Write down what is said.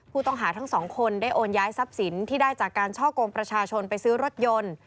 ผู้ต้องหาทั้งสองคนได้โอนย้ายทรัพย์สินที่ได้จากการช่อกงประชาชนไปซื้อรถยนต์